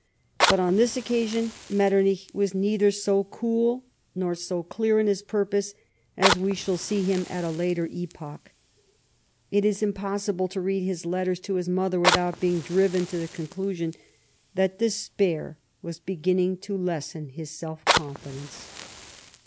But on this occasion Metternich was neither so cool nor so clear in his purpose as we shall see hira at a later epoch. It is impossible to read his letters to his mother without beino driven to tlie conclusion that despair was beginning to lessen his self confidence.